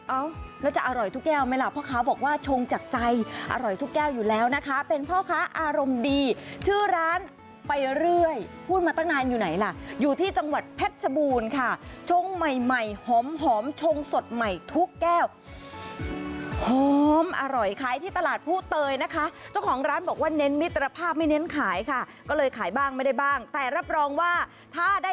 เอ้าแล้วจะอร่อยทุกแก้วไหมล่ะพ่อค้าบอกว่าชงจากใจอร่อยทุกแก้วอยู่แล้วนะคะเป็นพ่อค้าอารมณ์ดีชื่อร้านไปเรื่อยพูดมาตั้งนานอยู่ไหนล่ะอยู่ที่จังหวัดเพชรชบูรณ์ค่ะชงใหม่ใหม่หอมหอมชงสดใหม่ทุกแก้วหอมอร่อยขายที่ตลาดผู้เตยนะคะเจ้าของร้านบอกว่าเน้นมิตรภาพไม่เน้นขายค่ะก็เลยขายบ้างไม่ได้บ้างแต่รับรองว่าถ้าได้